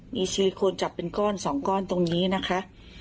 มีซีโคนจับเป็นก้อน๒ก้อนตรงนี้นะคะ